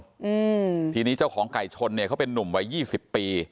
อืมทีนี้เจ้าของไก่ชนเนี้ยเขาเป็นนุ่มวัยยี่สิบปี